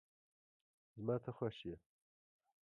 زما ته خوښ یی